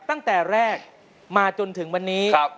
ตั้งแต่แรกมาจนถึงวันนี้